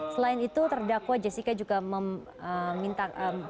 selain itu terdakwa jessica juga meminta